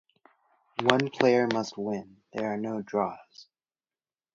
One player must win; there are no draws.